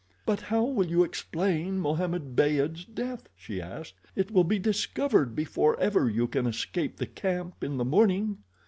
"But how will you explain Mohammed Beyd's death?" she asked. "It will be discovered before ever you can escape the camp in the morning."